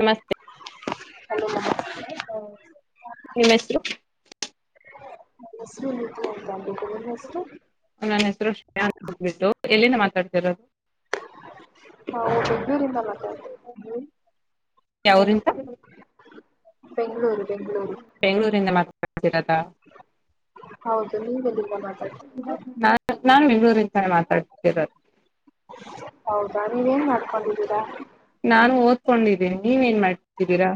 ನಮಸ್ತೆ ಹಲೋ ನಮಸ್ತೆ [inaudible] ನಿಮ್ಮ ಹೆಸರು [inaudible] ನನ್ನ ಹೆಸರು ನಿಧಿ ಅಂತಾ ನಿಮ್ಮ ಹೆಸ್ರು ನನ್ನ ಹೆಸರು ಶ್ರೇಯಾ ಅಂದ ಬಿಟ್ಟು ಎಲ್ಲಿಂದ ಮಾತಾಡ್ತಿರೋದು. ನಾವು ಬೆಂಗಳೂರ ಇಂದ ಮಾತಾಡ್ತೇವಿ. ನೀವು ಯಾವ್ರಿಂದ ಬೆಂಗಳೂರು ಬೆಂಗಳೂರು [inaudible] ಬೆಂಗಳೂರಿಂದ ಮಾತಾಡ್ತಿರೋದಾ ಹೌದು ನೀವೆಲ್ಲಿ. [inaudible] ನಾ ನಾನು ಬೆಂಗಳೂರಿಂತ ಮಾತಾಡ್ತಿರೊದ ಹೌದಾ ನೀವೇನ್ ಮಾಡ್ಕೊಂಡಿದ್ದೀರಾ. ನಾನು ಓದ್ಕೊಂಡಿದ್ದೀನಿ ನೀವ ಏನ್ ಮಾಡ್ತಿದ್ದೀರಾ.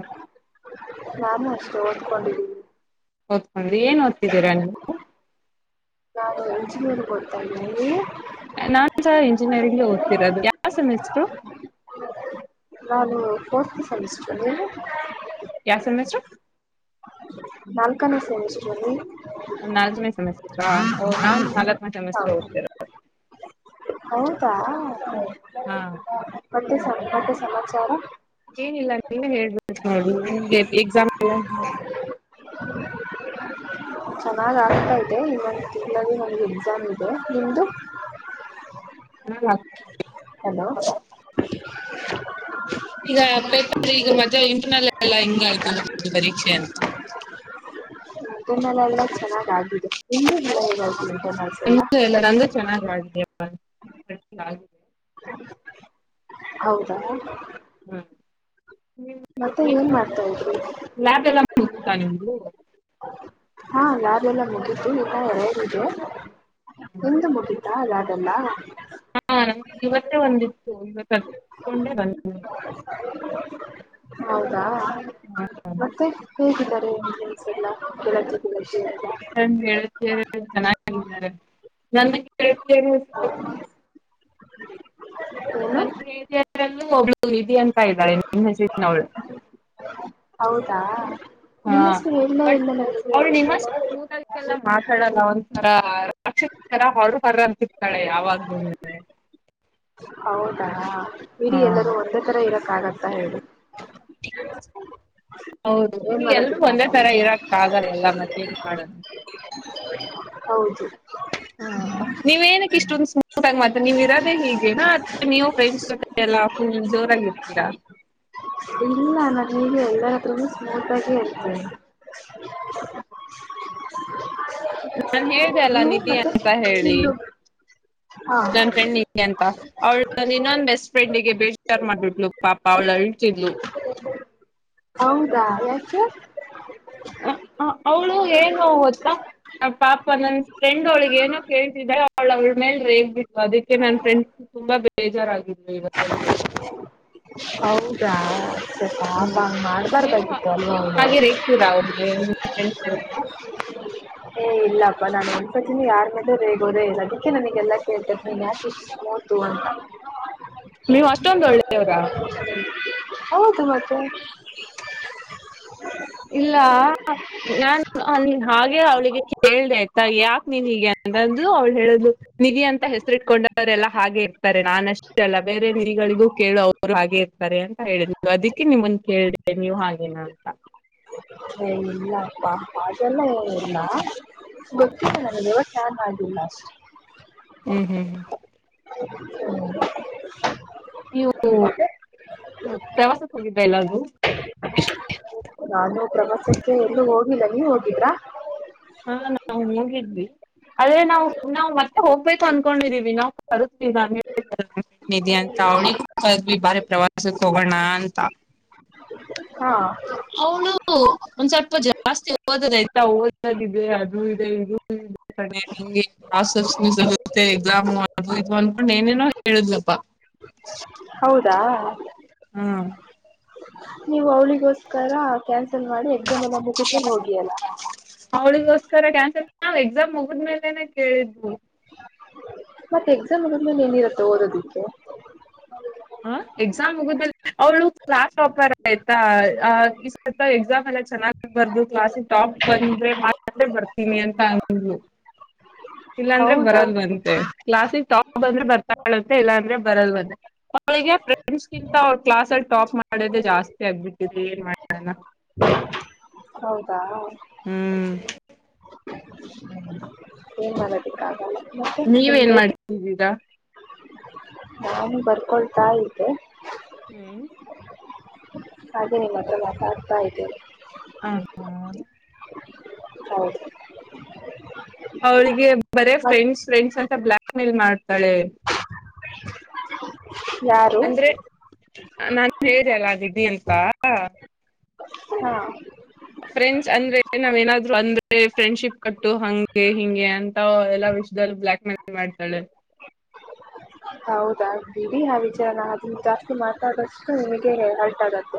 ನಾನು ಅಷ್ಟೇ ಓದ್ಕೊಂಡಿದ್ದೀನಿ. ಓದ್ಕೊಂಡ್ರಿ ಏನ್ ಓದ್ತಿದಿರಾ ನೀವು. ನಾನು ಇಂಜಿನಿಯರಿಂಗ್ ಓತ್ತಿದಿನಿ ನೀವು ನಾನು ಸಹ ಇಂಜಿನಿಯರಿಂಗ್ ಓದ್ತಿರೋದು ಯಾವ ಸೆಮಿಸ್ಟ್ರು ನಾನು ಫೋರ್ತ್ ಸೆಮಿಸ್ಟರ ನೀವು ಯಾವ ಸೆಮಿಸ್ಟರ. ನಾಲ್ಕನೆ ಸೆಮಿಸ್ಟರಲ್ಲಿ ನಾಲ್ಕನೇ ಸೆಮಿಸ್ಟ್ರಾ ಒಹ್ ನಾನು ನಾಲ್ಕನೇ ಸೆಮಿಸ್ಟರ್ ಹೌದು ಓದ್ತಿರೋದು ಹೌದಾ ಹಾ [unintelligible] ಮತ್ತೆ ಮತ್ತೆ ಸಮಾಚಾರ ಏನಿಲ್ಲ ನೀನೆ ಹೇಳ್ಬು ನೋಡಿ ಎಕ್ಸಾಮ್ ಎಲ್ಲ ಹೆಂಗೆ ಚೆನ್ನಾಗ ಆಗ್ತಾ ಇದೆ ಇನ್ನೊಂದು ತಿಂಗಳಲ್ಲಿ ನಂದು ಎಕ್ಸಾಮ್ ಇದೆ ನಿಂದು ಹ್ಮ ಹಲೋ ಈಗ ಪೇಪರ್ ಈಗ ಮದ್ದೇ ಇಂಟರ್ನಲ್ ಎಲ್ಲ ಹೆಂಗ ಆಯ್ತು ಪರೀಕ್ಷೆ ಅಂತ ಇಟರ್ನಲ್ ಎಲ್ಲಾ ಚನ್ನಗಿ ಆಗಿದೆ. ಇಂದು ಎಲ್ಲ ಹೇಗತಿ ಇಂಟರ್ನಲ್ಸ ಎಲ್ಲ [unintelligible] ನಂಗ ಚೆನ್ನಾಗ ಆಗಿದೆ [unintelligible] [unintelligible] ಹೌದಾ ಹಾ [unintelligible] ನಿಮ್ಮ ಮತ್ತೆ ಏನ್ ಮಾಡ್ತಾ ಇದ್ರಿ ಲ್ಯಾಬ್ ಎಲ್ಲ ಮುತ ನಿಮ್ದು ಹಾ ಲಾಬ್ ಎಲ್ಲ ಮುಗಿತು ಇನ್ನ ಎರೆಡ ಇದೆ [inaudible] ನಿಮ್ದ ಮುಗಿತಾ ಲ್ಯಾಬ್ ಯಲ್ಲ ಹಾ ಇವತ್ತೇ ಒಂದಿತ್ತು ಇವತ್ತುಕೊಂಡೆ ಬ [unintelligible] ಹೌದಾ [inaudible] ಮತ್ತೆ. ಕೇಳತಿದ್ದರೆ ಫ್ರೆಂಡ್ಸಯಲ್ಲ ಕೇಳತಿದೆ ರಜೆ ಅಂತಾ ನನ್ನ ಗೆಳತಿಯರು ಯಲ್ಲ ಚೆನ್ನಾಗಿದ್ದಾರೆ ನನ್ನ ಗೆಳತಿಯರು ಇವ್ರು ಏನು ನನ್ನ ಪಿಜಿ ಯಲ್ಲಿ ಒಬ್ಳ ವಿಧಿ ಇದ ಅಂತ ಇದ್ದಳು ಹೆಸರನವಳು [inaudible] ಹೌದಾ ನಿಮ್ಮ ಹೆಸರ ಹೇಳೀಲ್ಲ [unintelligible] ನಡಕ್ಕೆಲ್ಲ ಮಾತಾಡಲ್ಲ ಒಂದ್ಥರ ರಕ್ಷಾತಾರಾ ಹೊರ ಹೊರ ಅತ್ತಿರತಾಳೆ ಯಾವಾಗ್ಲೂನೆ ಹೌದಾ ಇಡೀ ಹಾ ಎಲ್ಲರೂ ಒಂದೇ ತರ ಇರಕ್ಕಾಗಂತ ಹೇಳು ಹೌದು ಏನ್ ಎಲ್ರೂ ಮಾಡೋದಕ್ಕ ಒಂದೇ ಆಗಲ್ಲ ತರ ಇರಕ್ ಆಗಲ್ಲ ಮತ್ತೆ ಏನ್ ಮಾಡೋದು [unintelligible] ಹೌದು. ಹಾ ನೀವೇನಕ್ಕೆ ಇಷ್ಟೊಂದು ಊಟಾಗ ಮತ್ತೆ ನೀವ ಇರೋದೇ ಹೀಗೆನಾ ನೀವು ಫ್ರೆಂಡ್ಸ್ ಜೊತೆ ಎಲ್ಲಾ ಫುಲ್ ಜೋರಾಗಿರ್ತೀರಾ? ಇಲ್ಲ ನಾನಗೆ ಎಲ್ಲಾದ್ರೂ ಸ್ಮೂತ ಆಗೇ ಇರ್ತೇನೆ. ನಾನ್ ಹೇಳ ಅಲ್ಲ ನೀವು ನಿಧಿ ಮತ್ತೆ ಅಂತ ಹೇಳಿ ನಿಮ್ದು ಹಾ ನನ್ನ ಫ್ರೆಂಡ್ ನಿಧಿ ಅಂತ ಅವಳ ನಾನ ಇನ್ನೊಂದ ಬೆಸ್ಟ್ ಫ್ರೆಂಡ್ಗೆ ಬೇಜಾರ್ ಮಾಡ್ಬಿಟ್ಲು ಪಾಪ ಅವ್ಳ ಅಲ್ತಿದ್ಲು. ಹೌದಾ ಯಾಕೆ? ಅವ್ಳು ಏನು ಗೊತ್ತಾ ಪಾಪ ನನ್ ಫ್ರೆಂಡ್ ಅವಳಿಗೆ ಏನೋ ಕೇಳ್ತಿದಾಳೆ ಅವಳ ಅವ್ಳ ಮೇಲ್ ರೇಗಿದ್ಲು ಅದಕ್ಕೆ ನನ್ ಫ್ರೆಂಡ್ ತುಂಬಾ ಬೇಜಾರಾಗಿದ್ರು ಇವತ್ತಲ್ಲ. ಹೌದಾ ಸರಿ ಪಾಪ ಹ್ಮ್ ಹಂಗ್ ನೀವು ಹಾಗೆ ಮಾಡ್ಬಾರ್ದಾಗಿತ್ತು ಅಲ್ವಾ ನೀವು ಅವನು ಹಾಗೆ ರೇಗ್ತೀರಾ ಅವೇ ನಿಮ್ಮ ಫ್ರೆಂಡ್ ಮೇಲೆ ಎಲ್ಲಾ - [inaudible] ಏ ಇಲ್ಲಪ್ಪ ನಾನು ಅನ್ಕೋತೀನಿ ಯಾರ ಮೇಲೊ ರೇಗೋದೇ ಇಲ್ಲ ಅದಕ್ಕೆ ನನಗೆಲ್ಲ ಕೇಳ್ತಿತಿತ್ತಾರೆ ನೀನು ಯಾಕ ಈಸ್ಟ್ ಸ್ಮಾರ್ಟ್ [inaudible] ನೀವ್ ಅಷ್ಟೊಂದ ಒಳ್ಳೆವ್ರ?? ಹೌದು ಮತ್ತೆ. ಇಲ್ಲ. ನಾನ್ ಅಂದ ಹಾಗೆ ಅವ್ಳಿಗೆ ಕೇಳ್ದೆ ಆಯ್ತಾ ಯಾಕ ನೀನ್ ಹೀಗೆ ಅಂತು ಅವ್ಳು ಹೇಳಿದ್ಲು ನಿಧಿ ಅಂತ ಹೆಸರಿ ಇಟ್ಕೊಂಡವರೆಲ್ಲ ಹಾಗೆ ಇರ್ತಾರೆ ನಾನ ಅಷ್ಟೇ ಅಲ್ಲ ಬೇರೆ ನಿಧಿಗಳಿಗೂ ಕೇಳು ಅವ್ರು ಅವರು ಹಾಗೆ ಇರ್ತಾರೆ ಅಂತ ಹೇಳಿದ್ಲು ಅದಕ್ಕೆ ನಿಮ್ಮಗೆ ಕೇಳಿದೆ ನೀವು ಹಾಗೇನಾ ಅಂತ ಇಲ್ಲಪ್ಪ ಅದೆಲ್ಲ ಏನಿಲ್ಲ ಗೊತ್ತಿಲ್ಲ ನಂಗ [unintelligible] ಚಾ ಮಾಡಿ ಲಾಸ್ಟ್. ಹ್ಮ್ ಹ್ಮ್. [unintelligible] ನೀವು ಮತ್ತೆ ಪ್ರವಾಸಕ್ಕೆ ಹೋಗಿದ್ದಲ್ಲ ಅದು ನಾನು ಪ್ರವಾಸಕ್ಕೆ ಎಲ್ಲೂ ಹೋಗಿಲ್ಲ ನೀವ ಹೋಗಿಲ್ಲ? ಹಾ ನಾವು ಹೋಗಿದ್ವಿ. ಆದ್ರೆ ನಾವು ನಾವು ಮತ್ತೆ ಹೋಗ್ಬೇಕು ಅಂದಕೊಂಡಿದೀವಿ ನಾವು ಬರು ದಿನಾನೇ ನಿಧಿ ಅಂತ ಅವ್ಳಿ ಕ್ವಿ ಬಾರಿ ಪ್ರವಾಸಕ್ಕೆ ಹೋಗೋಣ ಅಂತ ಹಾ. ಅವನು ಒಂದ್ ಸ್ವಲ್ಪ ಜಾಸ್ತಿ ಓದದ ಆಯ್ತಾ ಅದು ಇದು ಅದು ಇದು [unintelligible] ಹಿಂಗೆ [unintelligible] ಮಿಸ್ ಆಗುತ್ತೆ ಎಕ್ಸಾಮ್ ಅದು ಇದು ಅನ್ಕೊಂಡು ಏನೇನೋ ಹೇಳಿದ್ಲಪ್ಪಾ. ಹೌದಾ. ಹಾ. ನೀವು ಅವ್ಳಿಗೋಸ್ಕರ ಕ್ಯಾನ್ಸಲ್ ಮಾಡಿ ಎಕ್ಸಾಮ್ ಎಲ್ಲ ಮುಗಿದ್ಮೇಲೆ ಹೋಗಿ ಅಲ್ಲ [inaudible] ಅವಳಿಗೋಸ್ಕರ ಕ್ಯಾನ್ಸಲ್ ನಾವು ಎಕ್ಸಾಮ್ ಮುಗದ್ಮೇಲೆನೆೇ ಕೇಳಿದ್ವು. ಮತ್ತೆ ಎಕ್ಸಾಮ್ ಮುಗದ ಮೇಲೆ ಏನಿರುತ್ತ ಓದೋದಕ್ಕೆ? ಹ ಎಕ್ಸಾಮ್ ಮುಗದ ಮೇಲೆ ಅವ್ಳು ಕ್ಲಾಸ್ ಟಾಪರ್ ಆಯ್ತಾ - ಎಕ್ಸಾಮ್ ಎಲ್ಲ ಚೆನ್ನಾಗ್ ಬರದು ಕ್ಲಾಸಿಗೆ ಟಾಪ್ ಬಂದ್ರೆ ಮಾತ್ರ ಬರ್ತೀನಿ ಅಂತ ಅಂದ್ಲು. [inaudible] ಇಲ್ಲಾಂದ್ರೆ ಹೌದಾ ಬರಲ್ಲವಂತೆ ಕ್ಲಾಸಿಗೆ ಟಾಪ್ ಅಂದ್ರೆ ಬರ್ತಾಳಂತೆ ಇಲ್ಲಾಂದ್ರೆ ಬರಲ್ಲವಂತೆ ಅವಳಿಗೆ ಫ್ರೆಂಡ್ಸ್ಗಿಂತ ಅವ್ರ ಕ್ಲಾಸ್ ಅಲ್ಲಿ ಟಾಪ್ ಮಾಡೋದೇ ಜಾಸ್ತಿ ಆಗ್ಬಿಟ್ಟಿದೆ ಏನ್ ಮಾಡ ಹೌದಾ ಹ್ಮ್ ಏನ್ ಮಾಡದಕ್ಕೆ ಆಗಲ್ಲಾ ನೀವ ಏನ್ ಮಾಡ್ತಿದ್ದೀರಾ ನಾನು ಬರ್ಕೊಳ್ತಾ ಇದ್ದೆ ಹ್ಮ್ ಅದೇ ನಿಮ್ಮ ಹತ್ರ ಮಾತಾಡ್ತಾ ಇದ್ದೀರಿ ಹ ಹೌದಾ ಹೌದು ಅವಳಿಗೆ ಬರೆ ಮತ್ ಫ್ರೆಂಡ್ಸ್ ಫ್ರೆಂಡ್ಸ್ ಅಂತ ಬ್ಲ್ಯಾಕ್ ಮೇಲ್ ಮಾಡ್ತಾಳೆ ಯಾರು ಅಂದ್ರೆ ನಾನು ಹೇಳಿದೆಲ್ಲ ದಿ [unintelligible] ಅಂತ ಹಾ ಫ್ರೆಂಡ್ಸ್ ಅಂದ್ರೆ ನಾವ್ ಏನಾದ್ರು ಅಂದ್ರೆ ಫ್ರೆಂಡ್ಶಿಪ್ ಕಟ್ಟು ಹಂಗೆ ಹಿಂಗೆ ಅಂತ ಎಲ್ಲಾ ವಿಷಯದಲ್ಲಿ ಬ್ಲ್ಯಾಕ್ಮೇಲ್ ಮೆ ಮಾಡ್ತಾಳೆ ಹೌದಾ ಬಿಡಿ ಆ ವಿಚಾರಾನ ಅದನ್ನ ಜಾಸ್ತಿ ಮಾತಾಡಷ್ಟು ನಿಮಗೆ ಹರಟ ಆಗುತ್ತೆ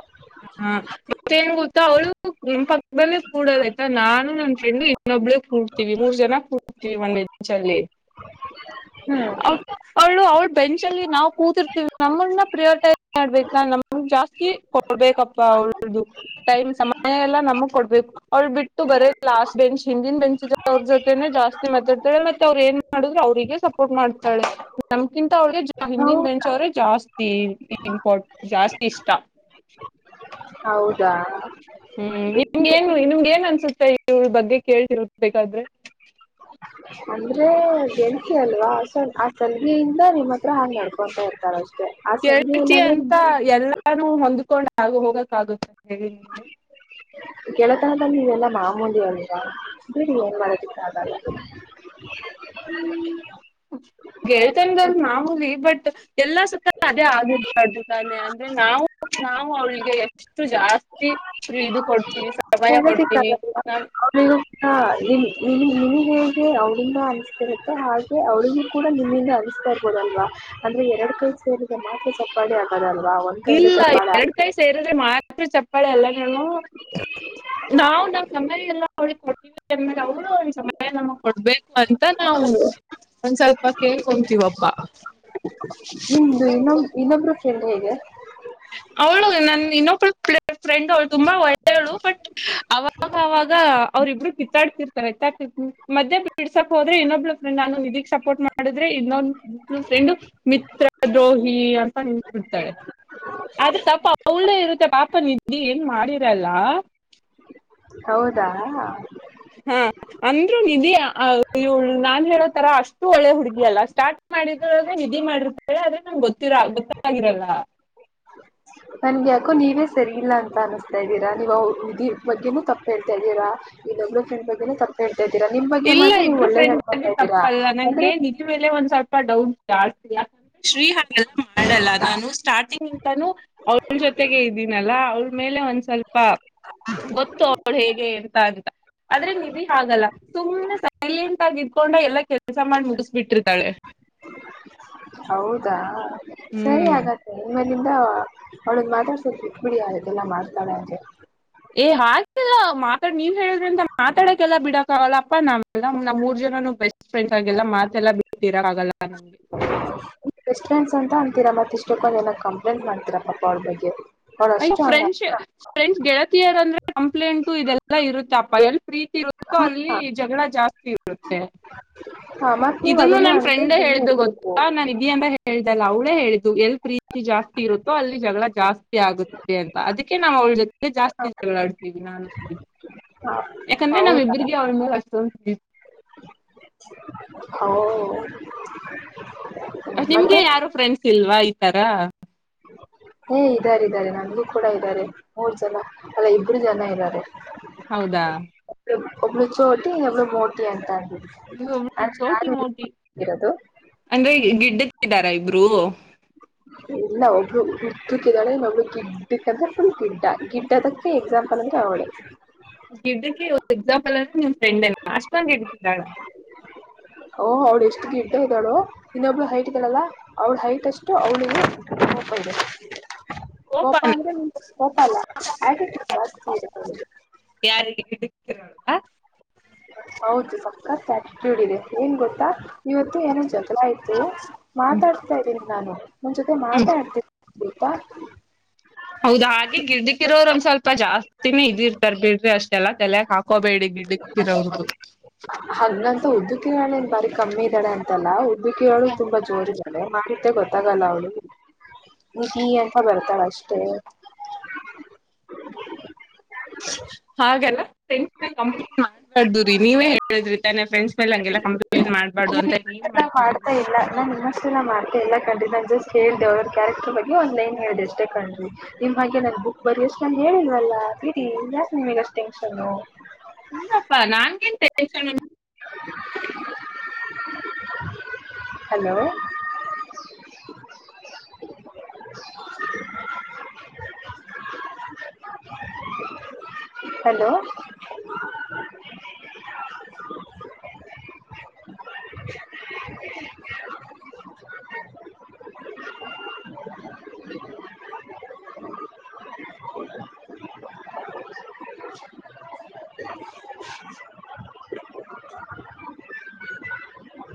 ಹಾ ಮತ್ತೇನ್ ಗೊತ್ತಾ ಅವಳು ನಿಮ್ ಪಕ್ಕದಲ್ಲೇ ಕೂಡದ ಆಯ್ತಾ ನಾನು ನನ್ ಫ್ರೆಂಡು ಒಬ್ಳ ಕೂಡ್ತಿವಿ ಮೂರ್ ಜನ ಕೂಡ್ತಿವಿ ಒಂದೆ ಬಚಲ್ಲಿ ಹ್ಮ್ ಅವ್ಳು ಅವಳ ಬೆಂಚ್ ಅಲ್ಲಿ ನಾವು ಕೂತಿರ್ತೀವಿ ನಮಮ್ಮನ್ನ ಪ್ರಿಯೋಟೈಸ್ ಮಾಡ್ಬೇಕಾ ನಮ ಜಾಸ್ತಿ ಕೊ ಕೊಡ್ಬೇಕಪ್ಪ ಅವ್ರ್ದು ಟೈಮ್ ಸಮಯ ಎಲ್ಲ ನಮಗ್ ಕೊಡ್ಬೇಕು ಅವ್ಳ ಬಿಟ್ಟು ಬರೇ ಲಾಸ್ಟ್ ಬೆಂಚ್ ಹಿಂದಿನ ಬೆಂಚ್ ಇದ ಅವ್ರ ಜೊತೆನೆ ಜಾಸ್ತಿ ಮಾತಾಡ್ತಳ ಮತ್ತೆ ಅವ್ರ ಏನ್ ಮಾಡುದ್ರೆ ಅವ್ರಿಗೆ ಸಪೋರ್ಟ್ ಮಾಡ್ತಾಳೆ ನಮ್ಕಿಂತ ಅವಳಿಗೆ ಜಾ ಹಿಂದಿನ ಬೆಂಚ್ ಹೌದಾ ಅವ್ರೆ ಜಾಸ್ತಿ ಇಂಪೋರ್ಟ್ ಜಾಸ್ತಿ ಇಷ್ಟಾ ಹೌದಾ ಹ್ಮ್ ಬಿಡಿ ನಿಮ್ಗೆ ಏನು ನಿಮ್ಗೆ ಏನ್ ಅನ್ಸುತ್ತೆ ಇವಳ ಬಗ್ಗೆ ಕೇಳ್ತಿರಬೇಕಾದ್ರೆ ಅಂದ್ರೆ ಗೆಳತಿ ಅಲ್ವಾ ಸೊ ಆ ಸಲಗಯಿಂದ ನಿಮ್ಮ ಹತ್ರ ಹಾಂಗ್ ನಡ್ಕೊಂತ ಇರ್ತಾಳ ಅಷ್ಟೇ ಆ ಸಲಗೆ ಗೆಳತಿ ಇಲ್ಲಾಂದ್ರೆ ಅಂತ ಎಲ್ಲಾನು ಹೊಂದ್ಕೊಂಡ್ ಆಗ ಹೋಗಕಾಗುತ್ತ ಹೇಳಿ ನೀವೆ ಗೆಳತನದಲ್ಲಿ ಇವೆಲ್ಲಾ ಮಾಮೂಲಿ ಅಲ್ವಾ ಬಿಡಿ ಏನ್ ಮಾಡದಕ್ಕೆ ಆಗಲ್ಲ ಹ್ಮ್ ಗೆಳತನದಲ್ಲಿ ಮಾಮೂಲಿ ಬಟ್ ಎಲ್ಲ ಸುತ್ತ ಅದೇ ಆಗ್ಬಿಬರ್ದು ತಾನೆ ಅಂದ್ರೆ ನಾವು ನಾವು ಅವಳಿಗೆ ಇಷ್ಟು ಜಾಸ್ತಿ ಪ್ರಿ ಇದು ಕೊಡ್ತೀವಿ ಸಮಯ ಕೊಡ್ತೀವಿ ನಾ ನೀವು ಕೂಡ ನಿನ್ ನಿನ್ಗ್ ನಿನ್ಗೆ ಹೇಗೆ ಅವಳಿಂದ ಅನ್ನಿಸ್ತಿರುತ್ತೆ ಹಾಗೆ ಅವಳಿಗೆ ಕೂಡ ನಿಮ್ಮಿಂದ ಅನಿಸ್ತಾ ಇರ್ಬೋದಲ್ವಾ ಅಂದ್ರೆ ಎರಡ್ ಕೈ ಸೇರಿದ ಮಾತ್ರ ಚಪ್ಪಾಳೆ ಆಗದಲ್ವಾ ಒನ್ ಇಲ್ಲ ಎರಡ್ ಕೈ ಸೇರಿದ್ರೆ ಮಾತ್ರ ಚಪ್ಪಾಳೆ ಎಲ್ಲ ನೀನು ನಾವು ನಮ್ ಸಮಯ ಎಲ್ಲ ಅವಳಿಗೆ ಕೊಡ್ತೀವಿ [unintelligible] ಸಮಯ ನಮಗ್ ಕೊಡ್ಬೇಕು ಅಂತ ನಾವ್ ಒಂದ್ ಸ್ವಲ್ಪ ಕೇಳ್ಕೊಂತಿವಪ್ಪ ನಿಮ್ದು ಇನೊಂ [unintelligible] ಅವ್ಳು ನನ್ ಇನ್ನೊಬ್ಳು ಪೆ ಫ್ರೆಂಡ್ ಅವಳು ತುಂಬಾ ಒಳ್ಳೆಳು ಬಟ್ ಅವ ಅವಾಗ ಅವ್ರಿಬ್ರು ಕಿತ್ತಾಡ್ತಿರ್ತರೆ ಹ್ಮ ಮದ್ಯ ಬಿಡ್ಸಕ್ ಹೋದ್ರೆ ಇನ್ನೊಬ್ಳ್ ಫ್ರೆಂಡ್ ನಾನು ನಿನಗ್ ಸಪೋರ್ಟ್ ಮಾಡ ಮಾಡಿದ್ರೆ ಇನ್ನೊ ಫ್ರೆಂಡ್ ಮಿತ್ರ ದ್ರೋಹಿ ಅಂತ ನಿ. ತಾಳೆ ಆದ್ರೆ ತಪ್ಪ ಅವಳ್ಳೇ ಇರುತ್ತೆ ಪಾಪ ನಿದ್ದೆ ಏನ್ ಮಾಡಿರಲ್ಲ. ಹೌದಾ. ಹ್ಮ್ ಅಂದ್ರು ನಿಧಿ ಇವ್ಳ್ ನಾನ್ ಹೇಳೋತರ ಅಷ್ಟು ಒಳ್ಳೆ ಹುಡುಗಿ ಅಲ್ಲ ಸ್ಟಾರ್ಟ್ ಮಾಡಿದ್ರೆ ನಿಧಿ ಮಾಡಿರ್ತಳೆ ಆದ್ರೆ ನಂಗ್ ಗೊತ್ತಿರ ಗೊತ್ತಾಗಿರಲ್ಲ. ನನ್ಗೆ ಯಾಕೋ ನೀವೇ ಸರಿ ಇಲ್ಲ ಅಂತ ಅನಿಸ್ತಾ ಇದ್ದೀರಾ ನೀವು [unintelligible] ಬಗ್ಗೆನೂ ತಪ್ಪು ಹೇಳ್ತಾ ಇದ್ದೀರಾ. ಇನ್ನೊಬ್ಬರ ಫ್ರೆಂಡ್ ಬಗ್ಗೆನೂ ತಪ್ಪು ಹೇಳ್ತಾ ಇದೀರಾ ನಿಮ್ ಬಗ್ಗೆ ಇಲ್ಲ ಮಾತ್ರ ನೀವು ಇಬ್ರು ಒಳ್ಳೆದ್ ಫ್ರೆಂಡ್ ಬಗ್ಗೆ ಹೇಳ್ಕೋಂತಾ ಇದ್ದಿರಾ ತಪ್ಪಲ್ಲ ಅಂದ್ರೆ. ನಂಗೆ ನಿಧಿ ಮೇಲೆ ಒಂದ್ ಸ್ವಲ್ಪ ಡೌಟ್ ಜಾಸ್ತಿ [unintelligible] ಶ್ರೀ ಹಾಗೆಲ್ಲ ಮಾಡಲ್ಲ ನಾನು ಸ್ಟಾರ್ಟಿಂಗ್. ನಾನು ಅವಳ ಜೊತೆಗೆ ಇದ್ದೀನಲ್ಲ ಅವಳ ಮೇಲೆ ಒಂದ್ ಸ್ವಲ್ಪ. ಗೊತ್ತು ಅವಳು ಹೇಗೆ ಎಂತ ಅಂತ ಆದ್ರೆ ನಿಧಿ ಹಾಗಲ್ಲ. ಸುಮ್ಮ್ನೆ ಸೈಲೆಂಟ್ ಆಗಿ ಇದ್ದ್ಕೊಂಡೆ ಎಲ್ಲಾ ಕೆಲ್ಸ ಮಾಡಿ ಮುಗಿಸ್ಬಿಟ್ಟಿರ್ತಾಳೆ. ಹೌದಾ ಸರಿ ಹ್ಮ್ ಹಾಗಾದ್ರೆ ಇನ್ ಇಲ್ಲಿಂದ ಅವಳನ್ ಮಾತಾಡ್ಸೋದ್ ಬಿಟ್ಬಿಡಿ ಇದೆಲ್ಲ ಮಾಡ್ತಾಳೆ ಅಂದ್ರೆ. ಏ ಹಾಗೆಲ್ಲ ಮಾತಾಡ್ ನೀವ್ ಹೇಳಿದ್ರಿ ಅಂತ ಮಾತಾಡಕ್ಕೆಲ್ಲ ಬಿಡ ಆಗಲ್ಲಪ್ಪ ನಾವೆಲ್ಲ ನಮ್ ಮೂರ್ ಜನನು ಬೆಸ್ಟ್ ಫ್ರೆಂಡ್ಸ್ ಹಾಗೆಲ್ಲ ಮಾತ್ತೆಲ್ಲಾ ಬಿಟ್ಟಿರಕಾಗಲ್ಲ. ಬೆಷ್ಟ್ ಫ್ರೆಂಡ್ಸ್ ಅಂತ ಅಂತೀರಾ ಮತ್ ಇಷ್ಟಕ್ಕೊಂದ ಏಲ್ಲ ಕಂಪ್ಲೇಂಟ್ ಮಾಡ್ತೀರಾ ಪಾಪ ಅವ್ಳ ಬಗ್ಗೆ. ಅವಳು ಅಯೊ ಅಷ್ಟು ಹಂಗ ಫ್ರೆಂಚ್ ಫ್ರೆಂಡ್ಸ್ ಗೆಳತಿಯರ್ ಅಂದ್ರೆ ಕಂಪ್ಲೇಂಟು ಇದೆಲ್ಲಾ ಇರುತ್ತಪ್ಪ ಎಲ್ ಪ್ರೀತಿ ಇರುತ್ತೋ ಅಲ್ಲಿ ಹ ಜಗಳ ಜಾಸ್ತಿ. [unintelligible] ಹ ಮತ್ ನೀವ್ ಇದನ್ನು ಅದನ್ನೇ ನನ್ ಫ್ರೆಂಡ್ ಅನ್ಕೊಂಡ್ ಸುಮ್ನೆ ಹೇಳ್ದು ಇರ್ಬೇಕು ಗೊತ್ತಾ ನಾನ್ ಇದೀ ಅಂತ ಹೇಳ ಹೇಳ್ದಲ್ಲ ಅವಳೇ ಹೇಳಿದ್ದು ಎಲ್ ಪ್ರೀತಿ ಜಾಸ್ತಿ ಇರುತ್ತೋ ಅಲ್ಲಿ ಜಗಳ ಜಾಸ್ತಿ ಆಗುತ್ತೆ ಅಂತ ಅದಕ್ಕೆ ನಾವು ಅವಳ ಜೊತೆಗೆ ಜಾಸ್ತಿ ಹ ಜಗಳಾಡ್ತೀವಿ ನಾನು [unintelligible] ಹ ಯಾಕಂದ್ರೆ ನಾವ್ ಹೌದಾ ಇಬ್ಬ್ರರಿಗೆ ಅವನ ಮೇಲೆ ಅಷ್ಟೋಂದ ಹೋ ನಿಮ್ಗೆ ಯಾರು ಫ್ರೆಂಡ್ಸ್ ಇಲ್ವಾ ಈ ತರ. [unintelligible] ಹೇ ಇದಾರೆ ಇದಾರೆ ನಮಗೂ ಕೂಡ ಇದಾರೆ ಮೂರ್ ಜನ ಅಲ್ಲ ಇಬ್ಬರು ಜನ ಇದಾರೆ. ಹೌದಾ. ಒಬ್ಳು ಒಬ್ಳು ಚೋಟಿ ಒಬ್ಳು ಮೋಟಿ ಅಂತ ಅಂದಿದ್ರು. ಇವ್ಳು ಒಬ್ಳು ಚೋಟಿ [unintelligible] ಮೋಟಿ ಇರೋದು. ಅಂದ್ರೆ ಗಿಡ್ಡಕಿದಾರ ಇಬ್ರು. ಇಲ್ಲ ಒಬ್ರು ಉದ್ದುಕಿದಾಳೆ ಇನ್ನ ಒಬ್ಳು ಗಿಡ್ಡಕಂದ್ರೆ ಫುಲ್ ಗಿಡ್ಡ ಗಿಡ್ಡದ ಗಿ ಎಕ್ಸಾಂಪಲ್ ಅಂದ್ರೆ ಅವಳೆ. ಗಿಡ್ಡಕೆ ಒಂದ್ ಎಕ್ಸಾಂಪಲ್ ಅಂದ್ರೆ ನಿನ್ ಫ್ರೆಂಡ್ ಅಲ್ವ ಅಷ್ಟೊಂದು ಗಿಡ್ಡಕಿದಾಳ. ಓಹ್ ಅವ್ಳ ಎಷ್ಟು ಗಿಡ್ಡ ಇದಾಳು. ಇನ್ನೊಬ್ಳು ಹೈಟ್ ಇದಾಳಲ್ಲ ಅವ್ಳ ಹೈಟ್ ಅಷ್ಟು ಅವಳಿಗೆ ಕೋಪ ಇದೆ. ಕೋಪ ಕೋಪಾನ ಅಂದ್ರೆ ನಿಮ್ ಕೋಪ ಅಲ್ಲ ಆಟಿಟ್ಯುಡ ಜಾಸ್ತಿ ಇರುತ್ತೆ ಅವ್ಳಿಗೆ. ಯಾರಿಗೆ. [unintelligible] ಹೌದು ಸಕತ್ ಆಟಿಟ್ಯುಡ್ ಇದೆ ಏನ್ ಗೊತ್ತಾ ಇವತ್ತು ಏನೋ ಜಗಳ ಆಯ್ತು. ಹ್ಮ್ ಮಾತಾಡ್ತಾ ಇದ್ದೀನಿ ನಾನು ನನ್ ಜೊತೆ ಮಾತೇ ಆಡ್ತಿರ್ಲಿಲ್ಲ ಗೋತ್ತಾ. ಹೌದ ಹಾಗೆ ಗಿಡ್ಡಕಿರೋರು ಒಂದ್ ಸ್ವಲ್ಪ ಜಾಸ್ತಿ ತಿನೆ ಇದಿರ್ತಾರೆ ಬಿಡ್ರಿ ಅಷ್ಟೆಲ್ಲ ತಲೆಗ್ ಹಾಕೋಬೇಡಿ ಗಿ [unintelligible] ಹಂಗಂತ ಉದ್ದಕಿರಳೇನ್ ಬಾರಿ ಕಮ್ಮಿ ಇದಾಳೆ ಅಂತ ಲ್ಲಾ ಉದ್ದಿಕಿರೊಳು ತುಂಬಾ ಜೋರ ಇದಾಳೆ ಮಾಡಿದ್ದೇ ಗೊತ್ತಾಗಲ್ಲ ಅವ್ಳಿಗೆ. ನಿಧಿ ಅಂತ ಬರ್ತಾಳ ಅಷ್ಟೇ. ಹಾಗೆಲ್ಲ ಫ್ರೆಂಡ್ಸನ ಕಂಪ್ಲೇಂಟ್ ಮಾಡ [unintelligible] ನೀವೇ ಹೇಳಿದ್ರಿ ತಾನೆ ಫ್ರೆಂಡ್ಸ್ ಮೇಲೆ ಹಂಗೆಲ್ಲ ಕಂಪ್ಲೇಂಟ್ ಮಾಡಬಾರದು ಅಂತ. ನೀವೇ ಇಲ್ಲಾ ಮಾಡ್ತಾ ಮಾಡ್ತಿದ್ದೀರಾ ಇಲ್ಲಾ ಎಲ್ಲಾ ನಿವ. ಅಷ್ಟ ನಾ ಮಾಡ್ತಇಲ್ಲಾ ಕಂಡ್ರಿ ನಾನು ಜಸ್ಟ್ ಹೇಳಿದೆ ಅವರ ಕ್ಯಾರೆಕ್ಟರ್ ಬಗ್ಗೆ ಒಂದು ಲೈನ್ ಹೇಳಿದೆ ಅಷ್ಟೇ ಕಣ್ರಿ. ನಿಮ್ಮ ಬಗ್ಗೆ ನಾನ್ ಬುಕ್ಕ ಬರಿ ಅಷ್ಟ ಹೇಳಿಲ್ಲವಲ್ಲ ಬೀಡಿ ಯಾಕ ನಿಮಗೆ ಅಷ್ಟ ಟೆನ್ಷನು. ಇಲ್ಲಪ್ಪಾ ನಾನಗೆನ ಟೇ ಟೆನ್ಷನ್ನು ಹಲೋ [inaudible] ಹಲೋ ಚಿವ್ ಚಿವಾತೆಲಿ. [inaudible]